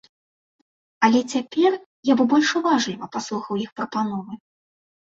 Але цяпер я б больш уважліва паслухаў іх прапановы.